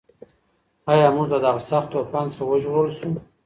ایا موږ له دغه سخت طوفان څخه وژغورل شوو؟